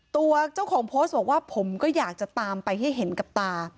ตัวเจ้าของโพสต์บอกว่าผมก็อยากจะตามไปให้เห็นกับตา